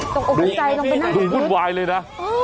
ต้องโอเคใจต้องไปนั่งดูดิดูบุ่นวายเลยน่ะ